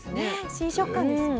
新食感ですよね。